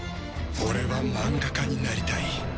俺はマンガ家になりたい。